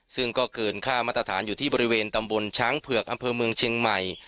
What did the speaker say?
ซึ่งก็เกินค่ามาตรฐานอยู่ที่บริเวณตำบลช้างเผือกอำเภอเมืองเชียงใหม่